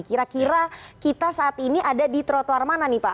kira kira kita saat ini ada di trotoar mana nih pak